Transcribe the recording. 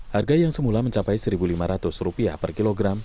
harga yang semula mencapai rp satu lima ratus per kilogram